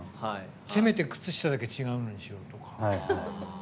せめて、靴下だけ違うのにしようとか。